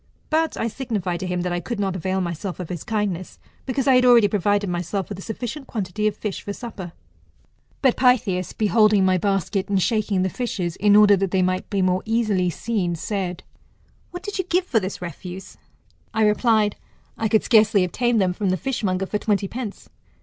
But I signified to him that I could not avail myself of his kindness, because I had already provided myself with a sufficient quantity of fish for supper. But Pytheas beholding my basket', and shaking the fishes, in order that they might be more easily seen, said, What did you give for this refuse? I replied, 1 could scarcely obtain them from the fishmonger for twenty pence.